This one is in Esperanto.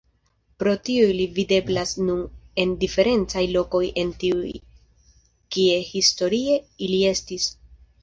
Pro tio ili videblas nun en diferencaj lokoj de tiuj kie historie ili estis.